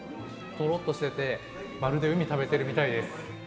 とろっとしててまるで海食べてるみたいです。